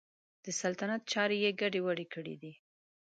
د سلطنت چارې یې ګډې وډې کړي دي.